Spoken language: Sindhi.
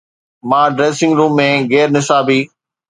مان ڊريسنگ روم ۾ غير نصابي